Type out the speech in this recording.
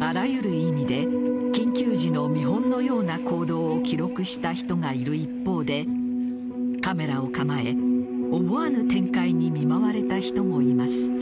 あらゆる意味で緊急時の見本のような行動を記録した人がいる一方でカメラを構え、思わぬ展開に見舞われた人もいます。